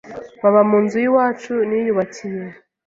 baba mu nzu y’iwacu niyubakiye